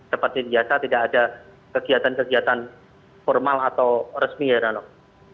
seperti biasa tidak ada kegiatan kegiatan formal atau resmi ya rano